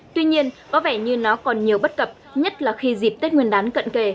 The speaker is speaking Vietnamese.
tuy nhiên có vẻ như nó còn nhiều bất cập nhất là khi dịp tết nguyên đán cận kề